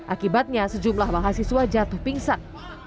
akibatnya sejumlah mahasiswa jatuh pingsan